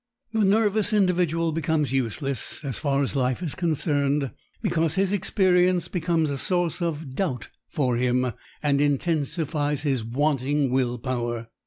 The nervous individual becomes useless as far as life is concerned because his experience becomes a source of doubt for him and intensifies his wanting will power.